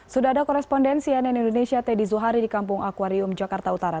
sudah ada korespondensi ann indonesia teddy zuhari di kampung akwarium jakarta utara